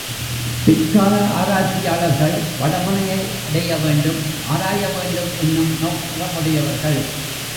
பிற்கால ஆராய்ச்சியாளர்கள் வட முனையை அடைய வேண்டும், ஆராய வேண்டும் என்னும் நோக்கமுடையவர்கள்.